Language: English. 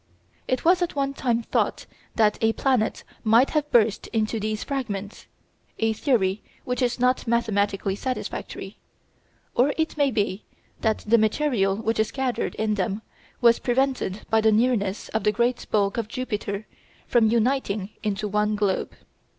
It was at one time thought that a planet might have burst into these fragments (a theory which is not mathematically satisfactory), or it may be that the material which is scattered in them was prevented by the nearness of the great bulk of Jupiter from uniting into one globe.